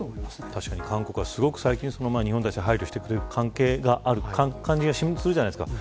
確かに韓国はすごく最近、日本に対して配慮してくれている感じがするじゃないですか。